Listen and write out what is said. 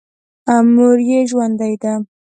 مور یې ژوندۍ ده.